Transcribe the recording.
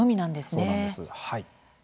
そうなんです、はい。